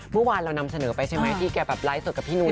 เมื่อวานเรานำเสนอไปใช่ไหมที่แกแบบไลฟ์สดกับพี่นุ้ย